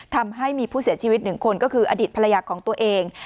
ทำให้มีผู้เสียชีวิตหนึ่งคนก็คืออดีตภรรยาของตัวเอง